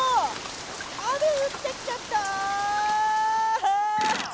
雨ふってきちゃった。